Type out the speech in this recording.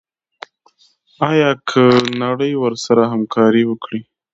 آیا که نړۍ ورسره همکاري وکړي؟